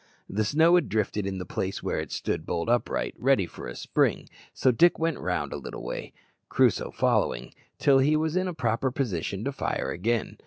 The snow had drifted in the place where it stood bolt upright, ready for a spring, so Dick went round a little way, Crusoe following, till he was in a proper position to fire again.